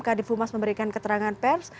kadif humas memberikan keterangan pers